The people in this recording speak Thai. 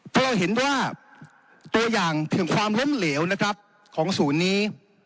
เพราะเราเห็นว่าตัวอย่างถึงความล้มเหลวนะครับของศูนย์นี้